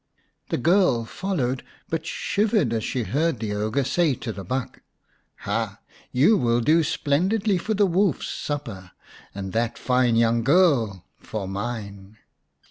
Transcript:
The girl followed, but shivered as she heard the ogre say to the buck, " Ha, you will do splendidly for the wolfs supper, and that fine young girl for mine